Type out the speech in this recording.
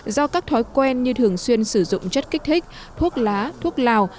do các thói quen như thường xuyên sử dụng chất kích thích thuốc lá thuốc lào